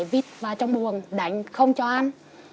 vít vào trong buồng đánh không cho ăn